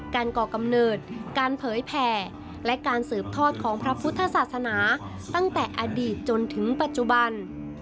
ก่อกำเนิดการเผยแผ่และการสืบทอดของพระพุทธศาสนาตั้งแต่อดีตจนถึงปัจจุบัน